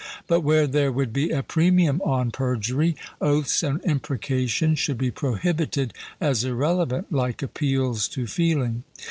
But where there would be a premium on perjury, oaths and imprecations should be prohibited as irrelevant, like appeals to feeling.